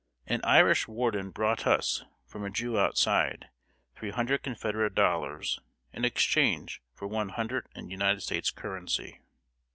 An Irish warden brought us, from a Jew outside, three hundred Confederate dollars, in exchange for one hundred in United States currency.